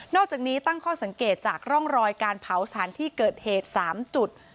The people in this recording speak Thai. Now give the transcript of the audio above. อกจากนี้ตั้งข้อสังเกตจากร่องรอยการเผาสถานที่เกิดเหตุ๓จุด